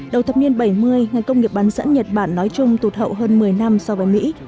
đầu thập niên bảy mươi ngành công nghiệp bán sẵn nhật bản nói chung tụt hậu hơn một mươi năm so với mỹ